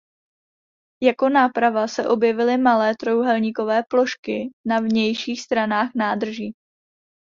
Jako náprava se objevily malé trojúhelníkové plošky na vnějších stranách nádrží.